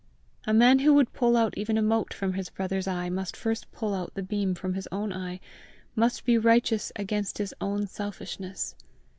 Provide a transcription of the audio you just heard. A man who would pull out even a mote from his brother's eye, must first pull out the beam from his own eye, must be righteous against his own selfishness.